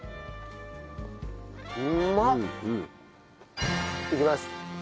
うまっ！いきます。